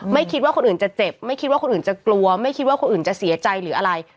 ไม่คิดว่าคนอื่นจะเจ็บไม่คิดว่าคนอื่นจะกลัวไม่คิดว่าคนอื่นจะเสียใจหรืออะไร